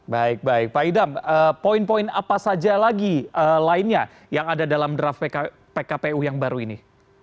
baik baik pak idam poin poin apa saja lagi lainnya yang ada dalam draft pkpu yang baru ini